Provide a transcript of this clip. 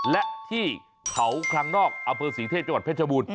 และที่เขาข้างนอกอเฟิร์สีเทพจังหวัดเพชรบูรณ์